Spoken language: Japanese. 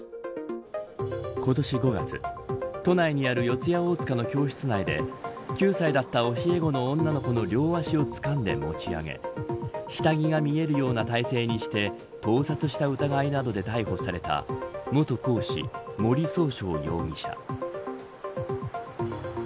今年５月都内にある四谷大塚の教室内で９歳だった教え子の女の子の両足をつかんで持ち上げ下着が見えるような体勢にして盗撮した疑いなどで逮捕された元講師、森崇翔容疑者。